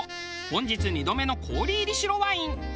本日２度目の氷入り白ワイン。